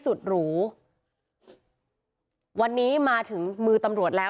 หรูวันนี้มาถึงมือตำรวจแล้ว